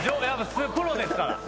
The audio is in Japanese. プロですから。